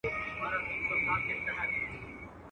هر سړى په خپل کور کي پاچا دئ.